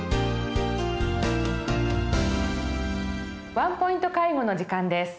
「ワンポイント介護」の時間です。